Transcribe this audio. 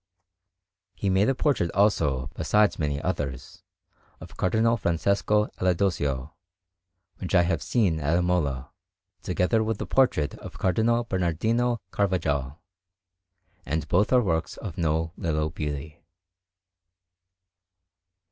He made a portrait, also, besides many others, of Cardinal Francesco Alidosio, which I have seen at Imola, together with the portrait of Cardinal Bernardino Carvajal, and both are works of no little beauty.